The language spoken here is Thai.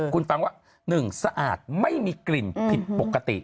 คุณฟังว่า๑สะอาดไม่มีกลิ่นผิดปกติ